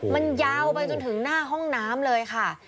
มันยาวไปจนถึงหน้าห้องน้ำเลยค่ะ